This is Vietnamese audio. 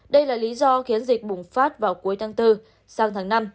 đây là lý do khiến dịch bùng phát vào cuối tháng bốn sang tháng năm